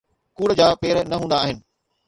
ڪوڙ جا پير نه هوندا آهن.